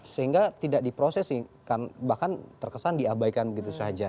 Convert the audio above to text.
sehingga tidak diproses bahkan terkesan diabaikan begitu saja